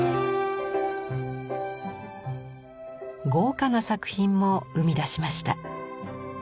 豪華な作品も生み出しました。